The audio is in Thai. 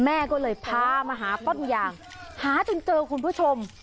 แม่ก็เลยพามาหาต้นยางหาจนเจอคุณผู้ชม